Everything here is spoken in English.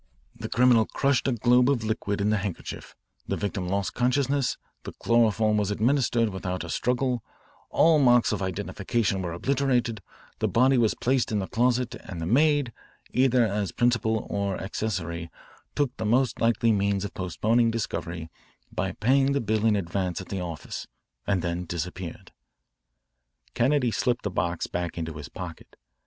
The criminal crushed a globe of liquid in the handkerchief, the victim lost consciousness, the chloroform was administered without a struggle, all marks of identification were obliterated, the body was placed in the closet, and the maid either as principal or accessory took the most likely means of postponing discovery by paying the bill in advance at the office, and then disappeared." Kennedy slipped the box back into his pocket.